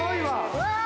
うわ！